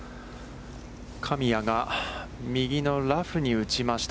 神谷が、右のラフに打ちました。